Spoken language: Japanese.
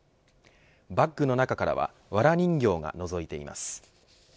バッグの中からはわら人形がのぞいています。